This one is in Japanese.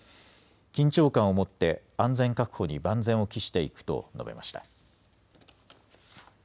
緊張感を持って安全確保に万全を期していくと述べました。